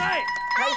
はい！